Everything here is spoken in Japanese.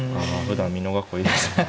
ふだん美濃囲いですもんね。